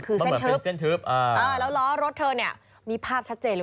คือเส้นทึบเอ่อรถเธอเนี่ยมีภาพชัดเจนเลย